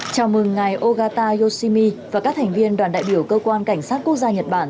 chào mừng ngài ogata yoshimi và các thành viên đoàn đại biểu cơ quan cảnh sát quốc gia nhật bản